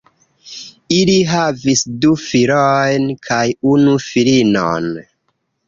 Ili havis du filojn kaj unu filinon.